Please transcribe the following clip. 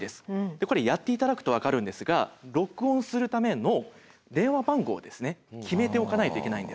でこれやって頂くと分かるんですが録音するための電話番号を決めておかないといけないんです。